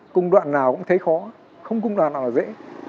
công đoạn nào cũng thấy khó không cung đoạn nào là dễ